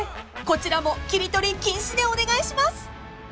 ［こちらも切り取り禁止でお願いします］